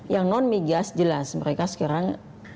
yang non migas jelas mereka sekarang